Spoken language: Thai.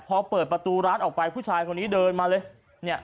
พอเปิดประตูร้านออกไปผู้ชายคนนี้เดินมาเลยเนี่ย